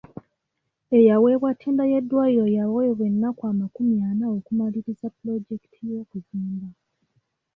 Eyaweebwa ttenda y'eddwaliro yaweebwa ennaku amakumi ana okumaliriza pulojekiti y'okuzimba.